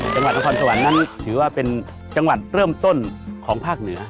จังหวัดนครสวรรค์นั้นถือว่าเป็นจังหวัดเริ่มต้นของภาคเหนือ